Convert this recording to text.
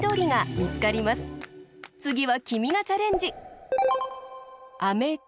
つぎはきみがチャレンジ。